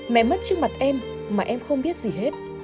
mẹ mất trước mặt em mà em không biết gì hết